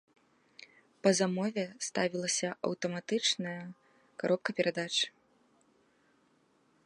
Па замове ставілася аўтаматычная каробка перадач.